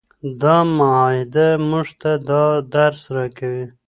دا معاهده موږ ته دا درس راکوي.